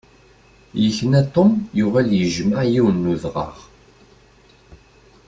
Yekna Tom yuɣal yejmeɛ yiwen n udɣaɣ.